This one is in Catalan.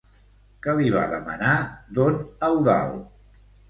Què li va demanar don Eudald?